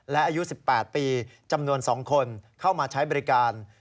และอายุ๑๘ปีจำนวน๒คนเข้ามาใช้บริการ